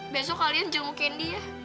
besok kalian jemput candy ya